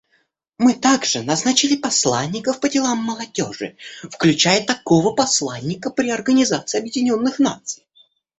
Мы также назначили посланников по делам молодежи, включая такого посланника при Организации Объединенных Наций.